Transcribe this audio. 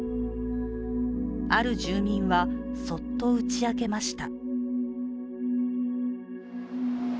ある住民は、そっと打ち明けました。